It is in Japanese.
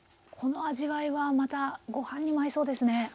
この味わいはまたご飯にも合いそうですね！